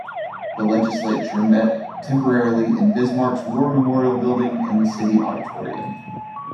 The Legislature met temporarily in Bismarck's War Memorial Building and the City Auditorium.